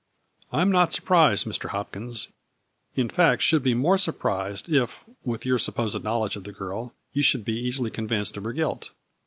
" I am not surprised, Mr. Hopkins, in fact should be more surprised, if, with your supposed knowledge of the girl, you should be easily con vinced of her guilt.